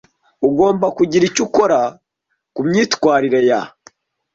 Ugomba kugira icyo ukora ku myitwarire ya